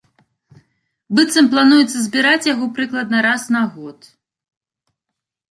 Быццам, плануецца збіраць яго прыкладна раз на год.